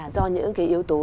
do những cái yếu tố